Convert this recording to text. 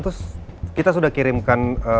terus kita sudah kirimkan